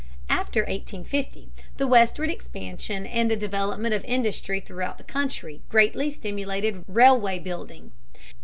After 1850 the westward expansion and the development of industry throughout the country greatly stimulated railway building.